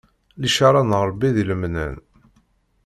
Licaṛa n Ṛebbi di lemnam.